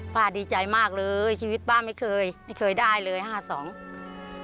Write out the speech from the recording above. ป้าดีใจมากเลยชีวิตป้าไม่เคยได้เลยทั้งคุณภาพ